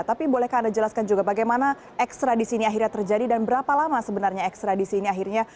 tapi bolehkah anda jelaskan juga bagaimana ekstra disini akhirnya terjadi dan berapa lama sebenarnya ekstra disini akhirnya terjadi